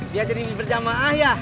biar jadi berjamaah ya